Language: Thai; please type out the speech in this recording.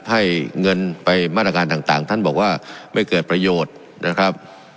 ให้เงินไปมาตรการต่างท่านบอกว่าไม่เกิดประโยชน์นะครับ